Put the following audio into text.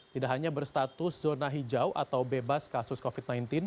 tidak hanya berstatus zona hijau atau bebas kasus covid sembilan belas